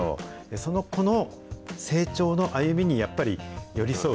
その子の成長の歩みにやっぱり寄り添う。